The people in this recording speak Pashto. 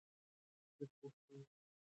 د پوهنې سیستم عصري کړئ.